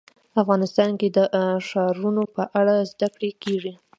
افغانستان کې د ښارونه په اړه زده کړه کېږي.